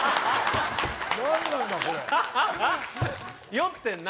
酔ってんな